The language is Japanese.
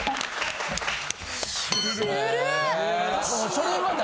それは何？